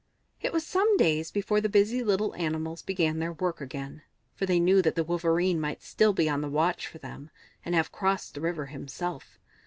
It was some days before the busy little animals began their work again, for they knew that the Wolverene might still be on the watch for them, and have crossed the river himself.